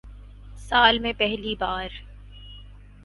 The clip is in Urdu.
سال میں پہلی بار